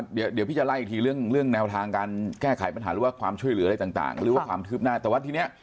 เดี๋ยวที่จะไล่อีกทีเรื่องแนวทางการแก้ไขปัญหาหรือความช่วยเหลืออะไรต่าง